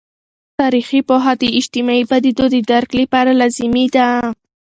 تاریخي پوهه د اجتماعي پدیدو د درک لپاره لازمي ده.